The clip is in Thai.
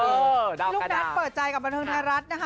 เด้ากระดาษพี่ลูกนัดเปิดใจกับบรรเทิงทะรัสนะคะ